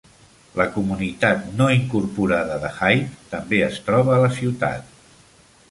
La comunitat no incorporada de Hyde també es troba a la ciutat.